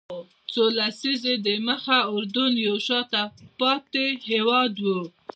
څو لسیزې دمخه اردن یو شاته پاتې هېواد و.